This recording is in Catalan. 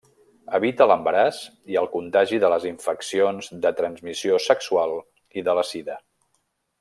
Evita l'embaràs i el contagi de les infeccions de transmissió sexual i de la sida.